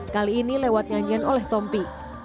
kali ini lewat nyanyian oleh tompi